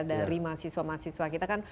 dari mahasiswa mahasiswa kita kan